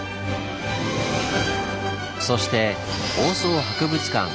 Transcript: そして放送博物館。